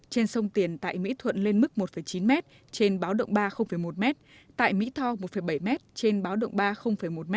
trên sông tiền tại mỹ thuận lên mức một chín m trên báo động ba một m tại mỹ tho một bảy m trên báo động ba một m